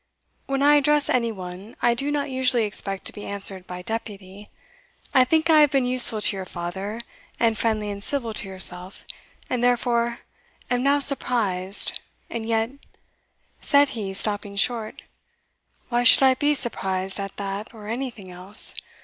When I address any one, I do not usually expect to be answered by deputy I think I have been useful to your father, and friendly and civil to yourself, and therefore am now surprised And yet," said he, stopping short, "why should I be surprised at that or anything else?